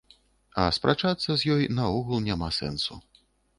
А спрачацца з ёй наогул няма сэнсу.